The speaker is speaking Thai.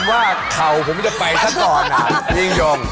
ผมว่าเขาผมจะไปซะก่อนอ่ะจริง